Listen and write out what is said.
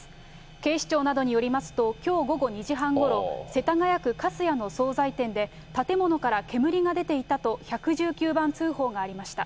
警視庁などによりますと、きょう午後２時半ごろ、世田谷区粕谷の総菜店で、建物から煙が出ていたと１１９番通報がありました。